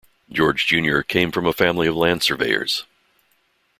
George Junior came from a family of land surveyors.